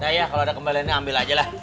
nah iya kalo ada kembaliannya ambil aja lah